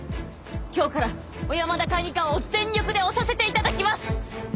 今日から小山田管理官を全力で推させて頂きます！